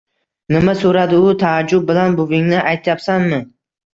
Nima? – soʻradi u taajjub bilan. – Buvingni aytyapsanmi?